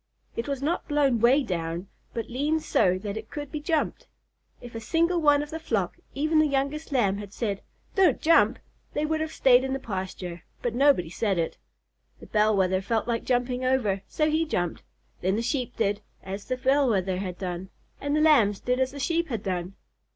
It was not blown 'way down, but leaned so that it could be jumped. If a single one of the flock, even the youngest Lamb, had said, "Don't jump!" they would have stayed in the pasture; but nobody said it. The Bell Wether felt like jumping over, so he jumped. Then the Sheep did as the Bell Wether had done, and the Lambs did as the Sheep had done.